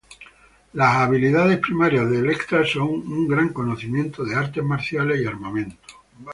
Las habilidades primarias de Elektra son un gran conocimiento de artes marciales y armamento.